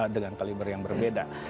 dengan kaliber yang berbeda